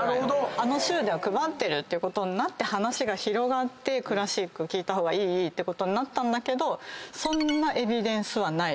あの州では配ってるってことになって話が広がってクラシック聴いた方がいいってことになったんだけどそんなエビデンスはない。